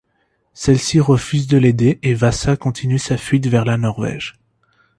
Celle-ci refuse de l'aider, et Vasa continue sa fuite vers la Norvège.